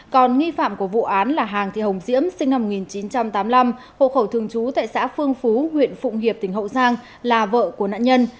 còn nghi phạm của vụ án là hàng thị hồng diễm sinh năm một nghìn chín trăm tám mươi năm hộ khẩu thường trú tại xã phương phú huyện phụng hiệp tỉnh hậu giang là vợ của nạn nhân